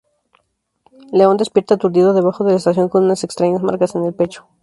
León despierta aturdido debajo de la estación con unas extrañas marcas en el pecho.